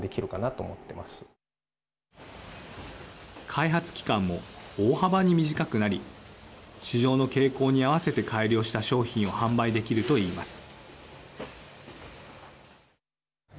開発期間も大幅に短くなり市場の傾向に合わせて改良した商品を販売できるといいます。